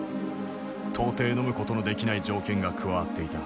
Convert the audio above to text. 到底のむことのできない条件が加わっていた。